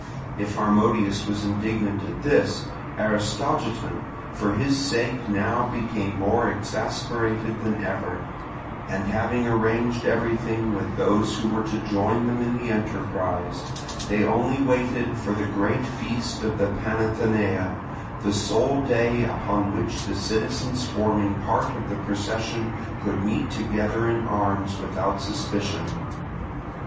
If Harmodius was indignant at this, Aristogiton for his sake now became more exasperated than ever; and having arranged everything with those who were to join them in the enterprise, they only waited for the great feast of the Panathenaea, the sole day upon which the citizens forming part of the procession could meet together in arms without suspicion.